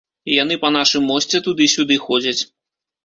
Яны па нашым мосце туды-сюды ходзяць.